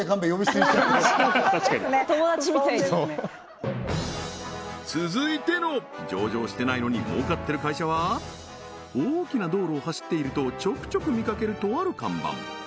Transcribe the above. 不遜ですね友達みたいに続いての上場してないのに儲かってる会社は大きな道路を走っているとちょくちょく見かけるとある看板